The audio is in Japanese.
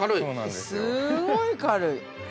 ◆すごい軽い。